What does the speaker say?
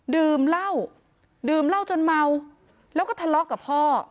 ดื่มเหล้าดื่มเหล้าจนเมาแล้วก็ทะเลาะกับพ่อ